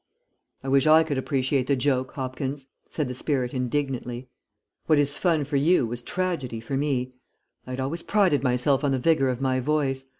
"I wish I could appreciate the joke, Hopkins," said the spirit indignantly. "What is fun for you was tragedy for me. I had always prided myself on the vigour of my voice.